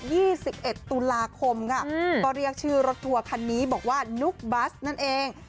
สิบเอ็ดตุลาคมค่ะอืมก็เรียกชื่อรถทัวร์คันนี้บอกว่านุ๊กบัสนั่นเอง